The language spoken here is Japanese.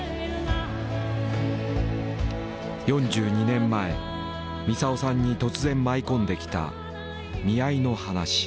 ４２年前みさをさんに突然舞い込んできた見合いの話。